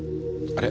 あれ？